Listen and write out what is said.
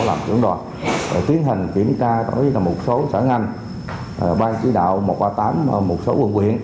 làm chứng đoàn để tiến hành kiểm tra tổ chức là một số xã ngành ban chỉ đạo một trăm ba mươi tám một số quận quyền